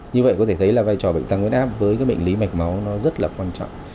như vậy có thể thấy là vai trò bệnh tăng huyết áp với cái bệnh lý mạch máu nó rất là quan trọng